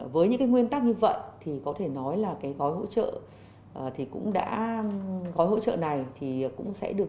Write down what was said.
với những cái nguyên tắc như vậy thì có thể nói là cái gói hỗ trợ thì cũng đã gói hỗ trợ này thì cũng sẽ được